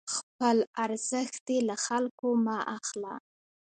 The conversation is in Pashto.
خپل ارزښت دې له خلکو مه اخله،